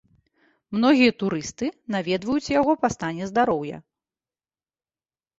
Многія турысты наведваюць яго па стане здароўя.